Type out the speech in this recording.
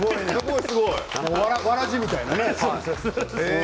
わらじみたいなね。